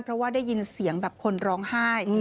เพราะว่าได้ยินเสียงแบบคนร้องไห้